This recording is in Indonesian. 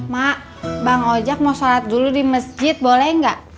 mak bang ojek mau sholat dulu di masjid boleh nggak